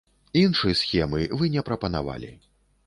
Іншы схемы вы не прапанавалі.